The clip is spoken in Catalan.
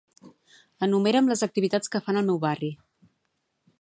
Enumera'm les activitats que fan al meu barri.